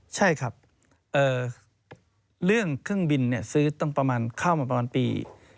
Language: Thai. ใช่ครับเรื่องเครื่องบินซื้อตั้งประมาณเข้ามาประมาณปี